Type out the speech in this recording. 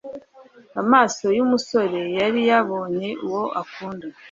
amaso yumusore yari yabonye uwo akunda